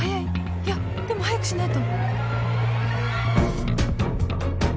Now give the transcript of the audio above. いやでも早くしないと